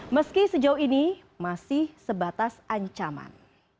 meski sejauh ini masih sebatas ancaman